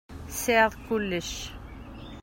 Tesεiḍ kullec.